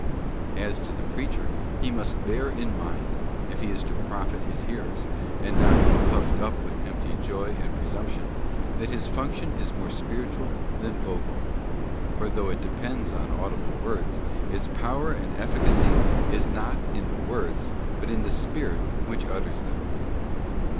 As to the preacher, he must bear in mind—if he is to profit his hearers, and not to be puffed up with empty joy and pre sumption—that his function is more spiritual than vocal : for though it depends on audible words, its power and efficacy is not in the words, but in the spirit which utters them.